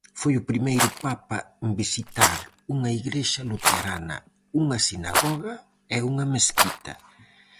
Foi o primeiro papa en visitar unha igrexa luterana, unha sinagoga e unha mesquita.